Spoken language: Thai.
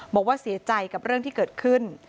บอกว่าเสียใจกับเรื่องที่เกิดขึ้น